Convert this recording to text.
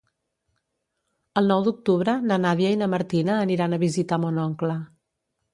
El nou d'octubre na Nàdia i na Martina aniran a visitar mon oncle.